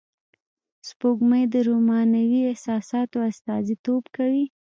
سپوږمۍ د رومانوی احساساتو استازیتوب کوي